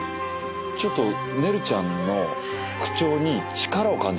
ちょっとねるちゃんの口調に力を感じるもん。